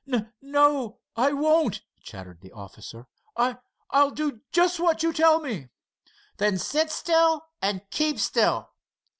"N no, I won't," chattered the officer. "I—I'll do just what you tell me." "Then sit still and keep still.